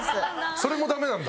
それもダメなんだ？